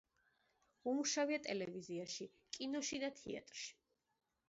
უმუშავია ტელევიზიაში, კინოში და თეატრში.